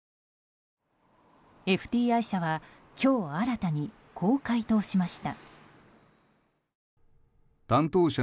ＦＴＩ社は今日新たにこう回答しました。